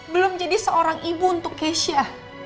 belum jadi seorang ibu untuk keisha